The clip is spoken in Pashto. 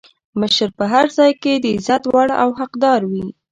مشر په هر ځای کې د عزت وړ او حقدار وي.